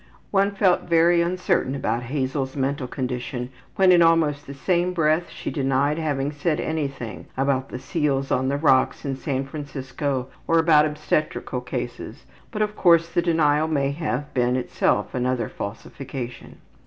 '' One felt very uncertain about Hazel's mental condition when in almost the same breath she denied having said anything about the seals on the rocks at San Francisco, or about obstetrical cases, but, of course, the denial may have been itself another falsification.